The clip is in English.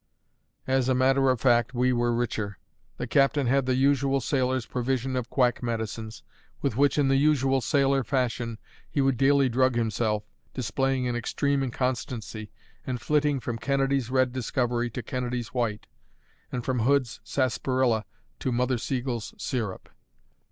As a matter of fact, we were richer. The captain had the usual sailor's provision of quack medicines, with which, in the usual sailor fashion, he would daily drug himself, displaying an extreme inconstancy, and flitting from Kennedy's Red Discovery to Kennedy's White, and from Hood's Sarsaparilla to Mother Seigel's Syrup.